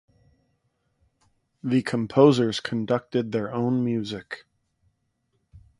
The composers conducted their own music.